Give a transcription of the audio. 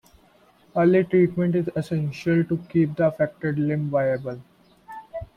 Early treatment is essential to keep the affected limb viable.